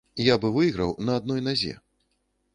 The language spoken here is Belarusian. Я бы выйграў на адной назе.